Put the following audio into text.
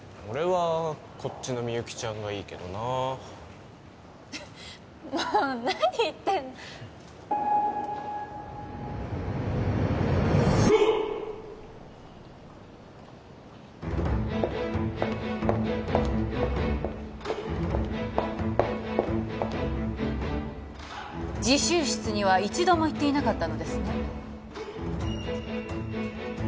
俺はこっちのみゆきちゃんがいいけどなもう何言って自習室には一度も行っていなかったのですね